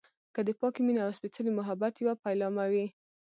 که د پاکې مينې او سپیڅلي محبت يوه پيلامه وي.